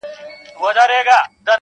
رنگ په رنگ خوږې میوې او خوراکونه-